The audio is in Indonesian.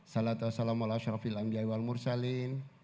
salatu wassalamu alaikum warahmatullahi wabarakatuh